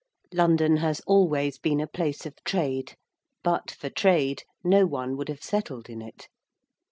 London has always been a place of trade. But for trade no one would have settled in it.